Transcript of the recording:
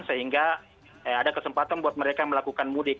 sehingga ada kesempatan buat mereka melakukan mudik